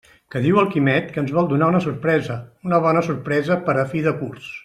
Que diu el Quimet que ens vol donar una sorpresa, una bona sorpresa per a fi de curs.